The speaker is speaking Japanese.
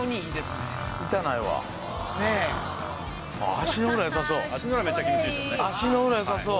足の裏良さそう。